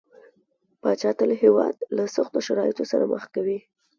پاچا تل هيواد له سختو شرايطو سره مخ کوي .